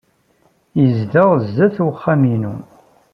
Yezdeɣ sdat wexxam-inu.